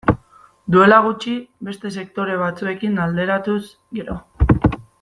Duela gutxi, beste sektore batzuekin alderatuz gero.